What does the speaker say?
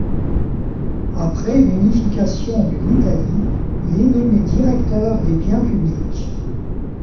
Après l'unification de l'Italie, il est nommé directeur des biens publics.